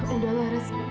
udah lah reski